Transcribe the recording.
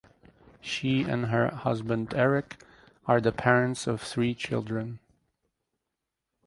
She and her husband Eric are the parents of three children.